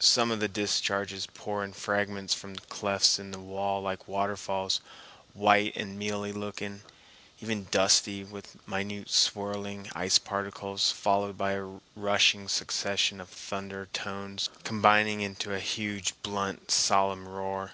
Some of the discharges pour in fragments from clefts in the wall like waterfalls, white and mealy looking, even dusty with minute swirling ice particles, followed by a rushing succession of thunder tones combining into a huge, blunt, solemn roar.